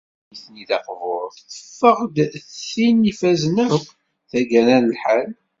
Tarrayt-nni taqburt teffeɣ-d d tin i ifazen akk, tagara n lḥal.